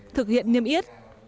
thực hiện niêm yết